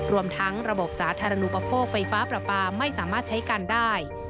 รวมทั้งระบบสาธารณูปโภคไฟฟ้าประปาไม่สามารถใช้กันได้